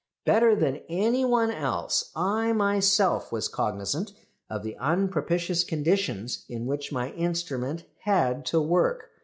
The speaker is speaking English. Better than any one else I myself was cognisant of the unpropitious conditions in which my instrument had to work.